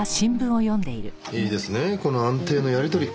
いいですねぇこの安定のやりとり。